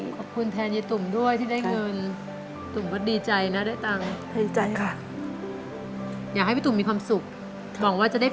ขอบคุณแดนตุ๋มด้วยที่ได้เงินจุดนี้